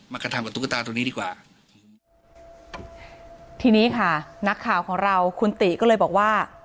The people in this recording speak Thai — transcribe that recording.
กระทำกับตุ๊กตาตรงนี้ดีกว่าทีนี้ค่ะนักข่าวของเราคุณติก็เลยบอกว่า